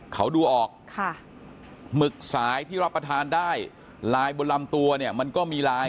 เขาดูออกค่ะหมึกสายที่รับประทานได้ลายบนลำตัวเนี่ยมันก็มีลาย